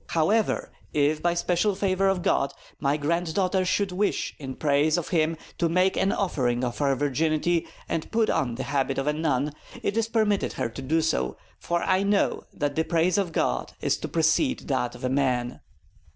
"However, if by the special favor of God, my granddaughter should wish in praise of Him to make an offering of her virginity and put on the habit of a nun, it is permitted her to do so, for I know that the praise of God is to precede that of man."